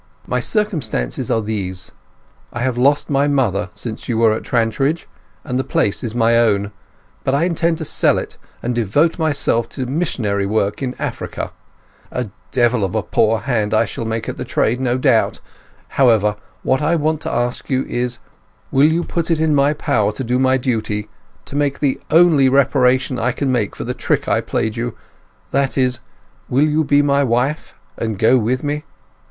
"My circumstances are these. I have lost my mother since you were at Trantridge, and the place is my own. But I intend to sell it, and devote myself to missionary work in Africa. A devil of a poor hand I shall make at the trade, no doubt. However, what I want to ask you is, will you put it in my power to do my duty—to make the only reparation I can make for the trick played you: that is, will you be my wife, and go with me?...